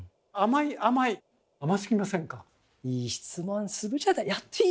いい質問するじゃない。